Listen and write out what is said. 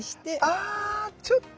あちょっと。